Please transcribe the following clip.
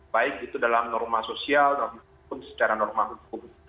baik itu dalam norma sosial maupun secara norma hukum